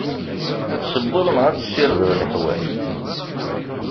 Ad tessewweḍ neɣ ad tessirdeḍ leḥwal?